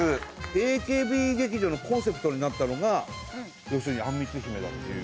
ＡＫＢ劇場のコンセプトになったのが要するにあんみつ姫だっていう。